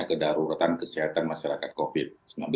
kedaruratan kesehatan masyarakat covid sembilan belas